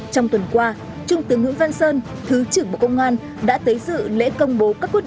trong tuần qua trung tướng nguyễn văn sơn thứ trưởng bộ công an đã tới dự lễ công bố